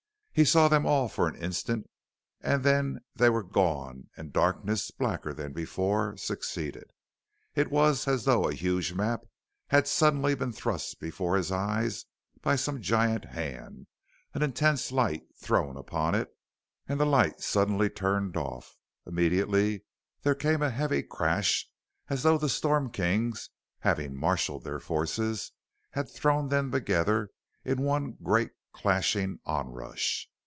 He saw them all for an instant and then they were gone and darkness blacker than before succeeded. It was as though a huge map had suddenly been thrust before his eyes by some giant hand, an intense light thrown upon it, and the light suddenly turned off. Immediately there came a heavy crash as though the Storm Kings, having marshalled their forces, had thrown them together in one, great, clashing onrush.